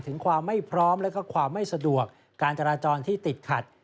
ถึงความไม่พร้อมและความไม่สะดวกการจราจรที่ติดขัด